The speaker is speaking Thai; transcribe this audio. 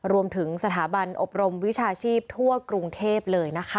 รวมถึงสถาบันอบรมวิชาชีพทั่วกรุงเทพเลยนะคะ